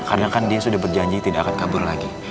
karena kan dia sudah berjanji tidak akan kabur lagi